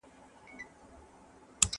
¬ توري دي لالا کوي، مزې دي عبدالله کوي.